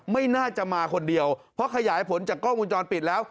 ไม่น่าจะมาคนเดียวเพราะขยายผลจากกล้องวงจรปิดแล้ว